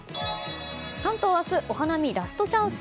関東明日お花見ラストチャンス。